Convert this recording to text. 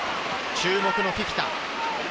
注目のフィフィタ。